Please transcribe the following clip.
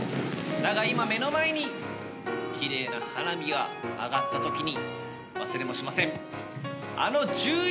だが今目の前に奇麗な花火が上がったときに忘れもしません。